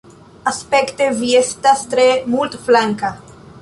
Aspekte vi estas tre multflanka.